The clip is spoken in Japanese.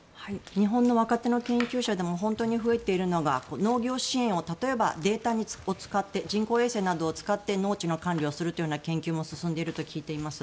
日本の若手研究者でも増えているのが農業支援にデータを使って人工衛星などを使って農地の管理をするという研究も進んでいると聞いています。